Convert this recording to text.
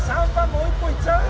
もう１本いっちゃう？